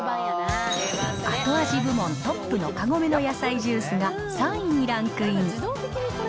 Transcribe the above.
後味部門トップのカゴメの野菜ジュースが３位にランクイン。